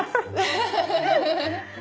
ハハハ！